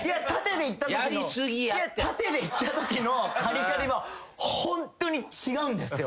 縦でいったときのカリカリはホントに違うんですよ。